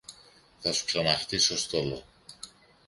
Θα σου ξαναχτίσω στόλο